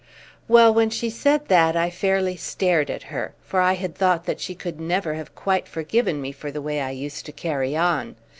Well, when she said that I fairly stared at her, for I had thought that she could never have quite forgiven me for the way I used to carry on.